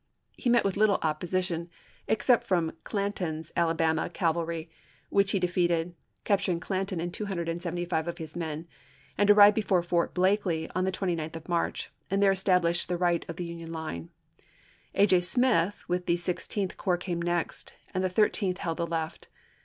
He met with little opposition except from Clanton's Alabama cavalry, which he defeated, capturing Clanton and 275 of his men, and arrived before Fort Blakely on the 1865. 29th of March, and there established the right of the Union line. A. J. Smith with the Sixteenth Corps came next, and the Thirteenth held the left.